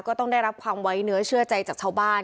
ก็ต้องได้รับความไว้เนื้อเชื่อใจจากชาวบ้าน